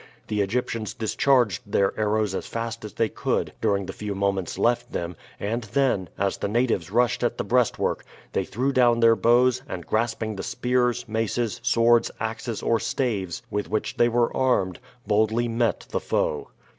The Egyptians discharged their arrows as fast as they could during the few moments left them, and then, as the natives rushed at the breastwork, they threw down their bows, and, grasping the spears, maces, swords, axes, or staves with which they were armed, boldly met the foe.